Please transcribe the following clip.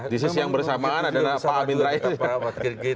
di sisi yang bersamaan adalah pak amin rais